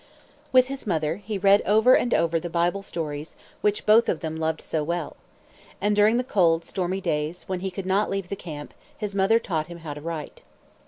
With his mother, he read over and over the Bible stories which both of them loved so well. And, during the cold, stormy days, when he could not leave the camp, his mother taught him how to write.